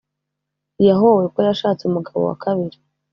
yahowe ko yashatse umugabo wa kabiri